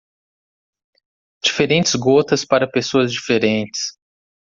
Diferentes gotas para pessoas diferentes.